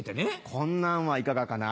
こんなんはいかがかな。